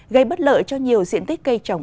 gây bất lợi cho nhiều diện tích cây trồng